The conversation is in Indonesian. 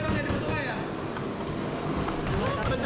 oh cepat cepat banget tangannya